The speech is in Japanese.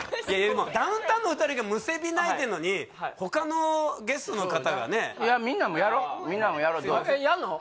でもダウンタウンの２人がむせび泣いてんのに他のゲストの方がねいやみんなもやろうやんの？